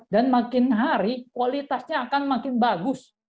dan makin hari kualitasnya akan makin bagus